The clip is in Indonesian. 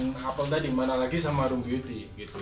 dari bahan apel tadi mana lagi sama room beauty gitu